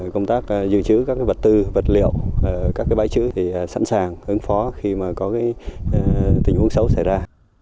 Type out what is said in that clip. công tác dự trữ các vật tư vật liệu các bãi chữ sẵn sàng ứng phó khi có tình huống xấu xảy ra